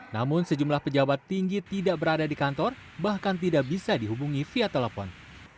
namun sejumlah pejabat tinggi tidak berada di kantor bahkan tidak bisa dihubungi via telepon